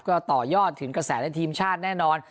ก็ต่อยอดถึงกระแสในทีมชาติแน่นอน